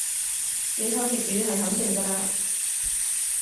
影響粵語係肯定嘅嘞